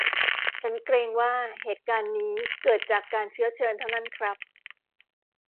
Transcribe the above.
ฉันเกรงว่าเหตุการณ์นี้เกิดจากการเชื้อเชิญเท่านั้นครับ